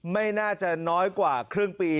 ไม่น่าจะน้อยกว่าครึ่งปี